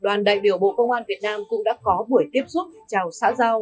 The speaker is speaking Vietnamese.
đoàn đại biểu bộ công an việt nam cũng đã có buổi tiếp xúc chào xã giao